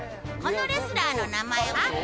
このレスラーの名前は？